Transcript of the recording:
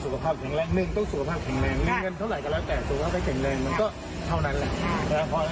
เก่งแรงหือเยอะแหละสุขภาพให้เก่งแรงมันก็เท่านั้นแหละ